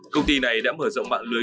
công ty này đã mở rộng mạng lưới